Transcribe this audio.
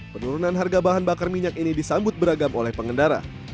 penurunan harga bahan bakar minyak ini disambut beragam oleh pengendara